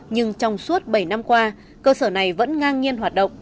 nhưng trong suốt bảy năm qua cơ sở này vẫn ngang nhiên hoạt động